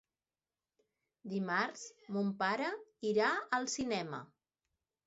Dimarts mon pare irà al cinema.